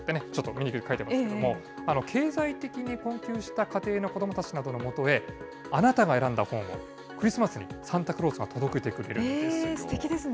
ブックサンタって、ちょっと上に書いてますけども、経済的に困窮した家庭の子どもたちなどのもとへ、あなたが選んだ本を、クリスマスにサンタクロースが届けてくれるんですよ。